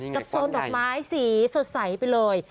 โซนดอกไม้สีสดใสไปเลย